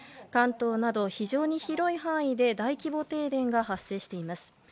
関東など非常に広い範囲で大規模停電が発生しています。